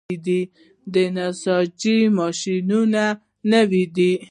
د نساجي ماشینري نوې ده؟